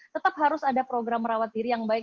tetap harus ada program merawat diri yang baik